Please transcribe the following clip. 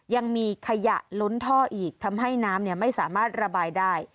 ยังมีขยะล้นท่ออีกทำให้น้ำไม่สามารถระบายได้